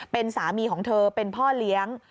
เป็นสามีของเธอเป็นพ่อเลี้ยง